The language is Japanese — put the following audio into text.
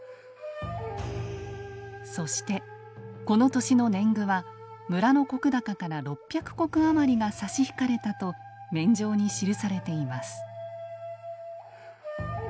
そしてこの年の年貢は村の石高から６００石余りが差し引かれたと免定に記されています。